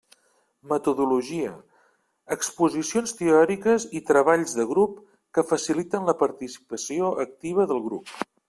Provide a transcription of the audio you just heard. Metodologia: exposicions teòriques i treballs de grup que faciliten la participació activa del grup.